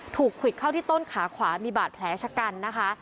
ควิดเข้าที่ต้นขาขวามีบาดแผลชะกันนะคะ